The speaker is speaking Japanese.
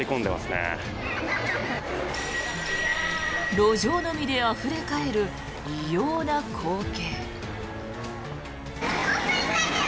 路上飲みであふれ返る異様な光景。